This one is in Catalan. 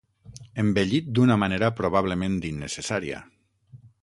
Embellit d'una manera probablement innecessària.